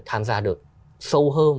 tham gia được sâu hơn